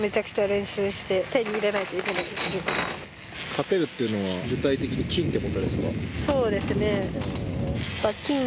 「勝てる」っていうのは具体的に金ってことですか？